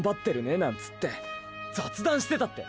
なんつって雑談してたって！！